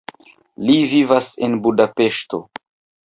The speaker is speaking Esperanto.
Li vivas en Budapeŝto.